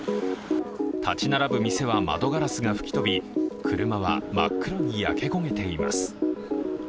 立ち並ぶ店は窓ガラスが吹き飛び車は真っ黒に焼け焦げています。